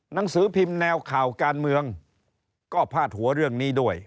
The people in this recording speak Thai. หนังสือพิมพ์แนวข่าวการเมืองก็พาดหัวเรื่องนี้ด้วย